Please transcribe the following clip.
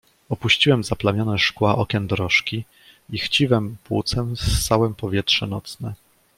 "Opuściłem zaplamione szkła okien dorożki i chciwem płucem ssałem powietrze nocne."